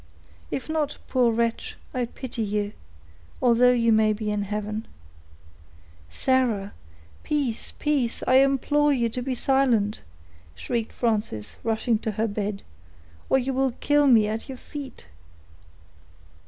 If not, poor wretch, I pity you, although you may be in heaven." "Sarah—peace, peace—I implore you to be silent," shrieked Frances, rushing to her bed, "or you will kill me at your feet."